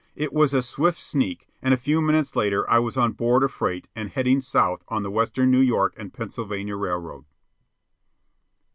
It was a swift sneak, and a few minutes later I was on board a freight and heading south on the Western New York and Pennsylvania Railroad.